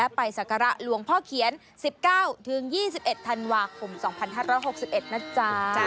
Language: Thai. ศักระหลวงพ่อเขียน๑๙๒๑ธันวาคม๒๕๖๑นะจ๊ะ